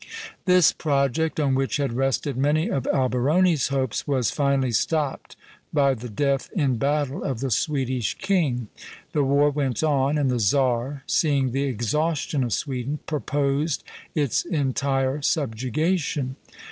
This project, on which had rested many of Alberoni's hopes, was finally stopped by the death in battle of the Swedish king. The war went on; and the czar, seeing the exhaustion of Sweden, purposed its entire subjugation.